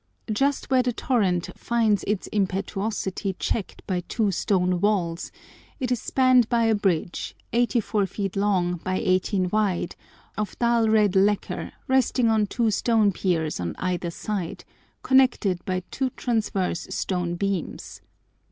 Just where the torrent finds its impetuosity checked by two stone walls, it is spanned by a bridge, 84 feet long by 18 wide, of dull red lacquer, resting on two stone piers on either side, connected by two transverse stone beams.